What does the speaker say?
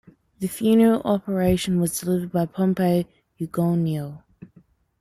The funeral oration was delivered by Pompeo Ugonio.